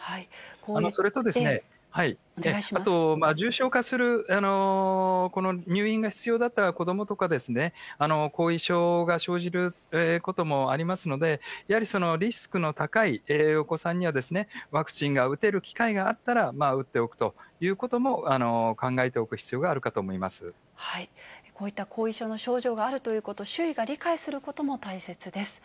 それとですね、あと、重症化する、入院が必要だった子どもだとか、後遺症が生じることもありますので、やはりリスクの高いお子さんには、ワクチンが打てる機会があったら、打っておくということも、考えてこういった後遺症の症状があるということ、周囲が理解することも大切です。